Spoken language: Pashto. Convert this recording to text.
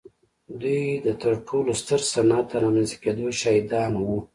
دوی د تر ټولو ستر صنعت د رامنځته کېدو شاهدان وو.